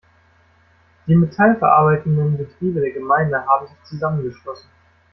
Die Metall verarbeitenden Betriebe der Gemeinde haben sich zusammengeschlossen.